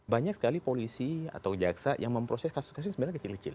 banyak sekali polisi atau jaksa yang memproses kasus kasus yang sebenarnya kecil kecil